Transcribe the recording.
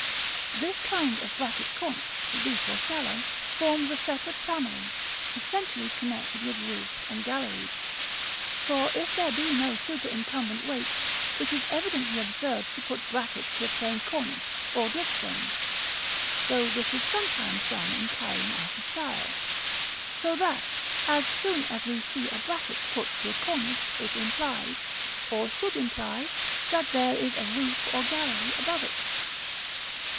This kind of bracket cornice, deep or shallow, forms a separate family, essentially connected with roofs and galleries; for if there be no superincumbent weight, it is evidently absurd to put brackets to a plain cornice or dripstone (though this is sometimes done in carrying out a style); so that, as soon as we see a bracket put to a cornice, it implies, or should imply, that there is a roof or gallery above it.